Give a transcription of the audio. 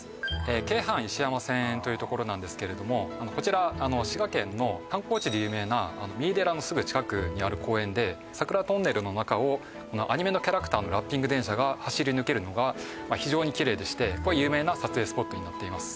京阪石山線というところなんですけれどもこちら滋賀県の観光地で有名な三井寺のすぐ近くにある公園で桜トンネルの中をアニメのキャラクターのラッピング電車が走り抜けるのが非常にキレイでしてこれ有名な撮影スポットになっています